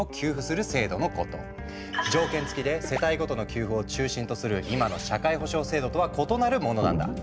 条件付きで世帯ごとの給付を中心とする今の社会保障制度とは異なるものなんだ。